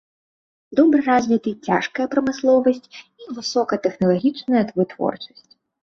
Добра развіты цяжкая прамысловасць і высокатэхналагічная вытворчасць.